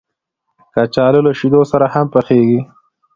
کچالو له شیدو سره هم پخېږي